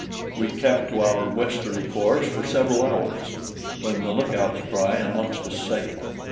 We kept to our westerly course for several hours when the lookout's cry announced a sail.